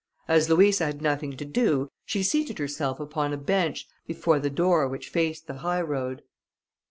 As Louisa had nothing to do, she seated herself upon a bench before the door which faced the high road.